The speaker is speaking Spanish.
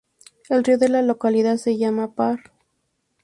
El río de la localidad se llama Paar.